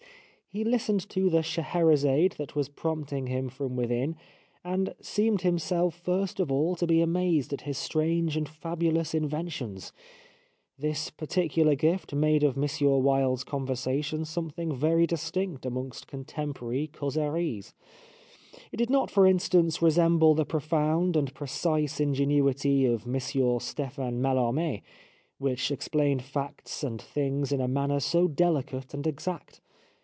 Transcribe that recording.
He listened to the Scheherazade that was prompting him from within, and seemed himself first of all to be amazed at his strange and fabulous inventions. This particular gift made of M. Wilde's conver sation something very distinct amongst contem porary causeries. It did not, for instance, re semble the profound and precise ingenuity of M. Stephane Mallarme, which explained facts and things in a manner so delicate and exact.